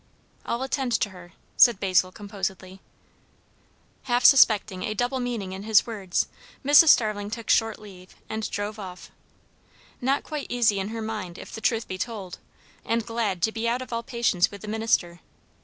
"I'll attend to her," said Basil composedly. Half suspecting a double meaning in his words, Mrs. Starling took short leave, and drove off. Not quite easy in her mind, if the truth be told, and glad to be out of all patience with the minister.